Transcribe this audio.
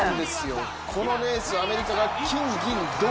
このアメリカが金、銀、銅。